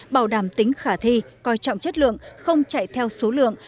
bảo đảm tính khả thi coi trọng chất lượng không chạy theo số lượng